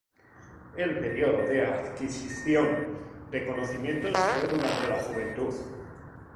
El período de adquisición de conocimientos fue durante la juventud.